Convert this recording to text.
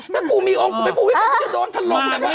ถ้ากูมีองค์กูไปพูดวิเศษก็จะโดนถลงเลยว่า